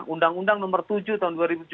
undang undang nomor tujuh tahun dua ribu tujuh belas